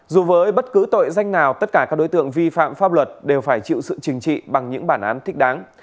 dù với bất cứ tội danh nào tất cả các đối tượng vi phạm pháp luật đều phải chịu sự chừng trị bằng những bản án thích đáng